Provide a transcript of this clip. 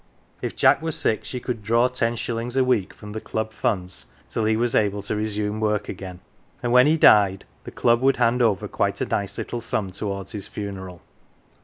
If Jack were sick she could draw ten shillings a week from the Club funds till he was able to resume work again, and when he died the Club would hand over quite a nice little sum towards his funeral.